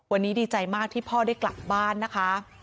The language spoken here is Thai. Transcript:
วันนี้ดีใจมากที่พ่อได้กลับบ้านนะคะ